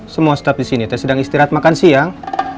semua staff disini teh sedang istirahat makan siang